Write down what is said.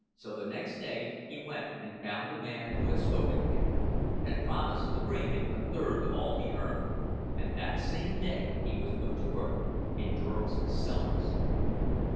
So the next day he went and found the man who had spoken to him, and promised to bring him a third of all he earned; and that same day he was put to work in Durham's cellars.